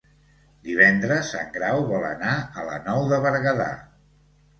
Divendres en Grau vol anar a la Nou de Berguedà.